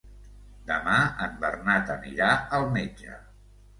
Demà en Bernat anirà al metge.